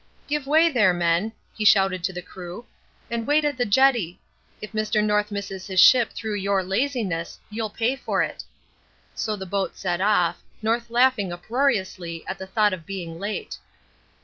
"Give way there, men," he shouted to the crew, "and wait at the jetty. If Mr. North misses his ship through your laziness, you'll pay for it." So the boat set off, North laughing uproariously at the thought of being late.